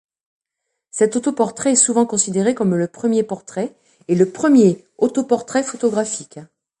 Cet autoportrait est souvent considéré comme le premier portrait et le premier autoportrait photographique.